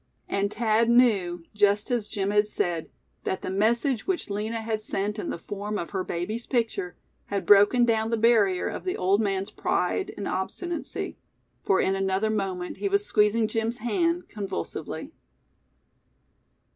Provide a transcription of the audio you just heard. And Thad knew, just as Jim had said, that the message which Lina had sent in the form of her baby's picture, had broken down the barrier of the old man's pride and obstinacy; for in another moment he was squeezing Jim's hand convulsively.